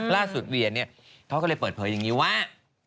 ล่าสุดเวียนเขาก็เลยเปิดเผยอย่างนี้ว่า